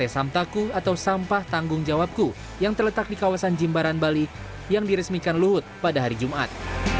samtaku atau sampah tanggung jawabku yang terletak di kawasan jimbaran bali yang diresmikan luhut pada hari jumat